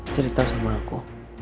cerita sama aku